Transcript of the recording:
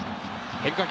変化球。